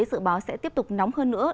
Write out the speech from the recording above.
dự báo sẽ tiếp tục nóng hơn nữa